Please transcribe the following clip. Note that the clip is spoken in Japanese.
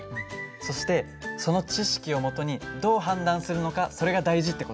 そしてその知識をもとにどう判断するのかそれが大事って事。